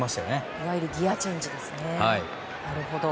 いわゆるギアチェンジですね、なるほど。